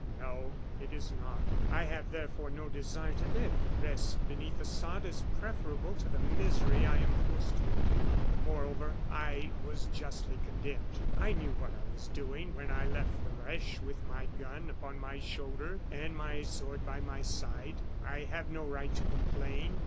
"No, it is not. I have, therefore, no desire to live. Rest beneath the sod is preferable to the misery I am forced to endure. Moreover I was justly condemned. I knew what I was doing when I left the Reche with my gun upon my shoulder, and my sword by my side; I have no right to complain.